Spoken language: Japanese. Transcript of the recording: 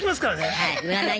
はい。